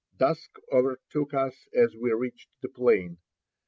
Dusk overtook us as we reached the plain.